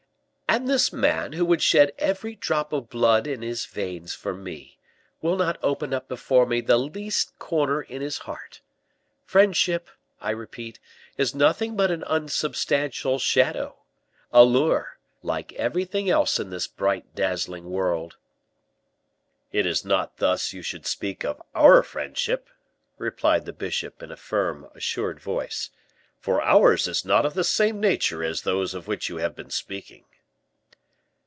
"And this man, who would shed every drop of blood in his veins for me, will not open up before me the least corner in his heart. Friendship, I repeat, is nothing but an unsubstantial shadow a lure, like everything else in this bright, dazzling world." "It is not thus you should speak of our friendship," replied the bishop, in a firm, assured voice; "for ours is not of the same nature as those of which you have been speaking."